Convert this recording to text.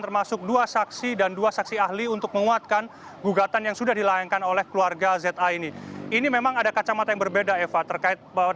termasuk dua saksi dan dua saksi ahli untuk menguatkan gugatan yang sudah dilayani